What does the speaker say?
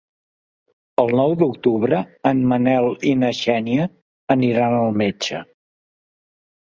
El nou d'octubre en Manel i na Xènia aniran al metge.